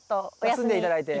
休んで頂いて。